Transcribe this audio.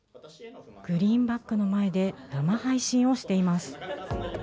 グリーンバックの前で生配信をしています。